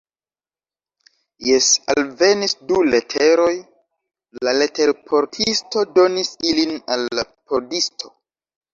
Jes, alvenis du leteroj, la leterportisto donis ilin al la pordisto.